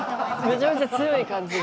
めちゃめちゃ強い感じで。